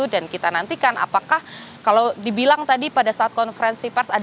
dan kita nantikan apakah kalau dibilang tadi pada saat ini pemerintah tidak mewajibkan tabungan ini